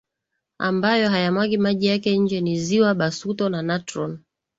ambayo hayamwagi maji yake nje ni ziwa Basuto na Natron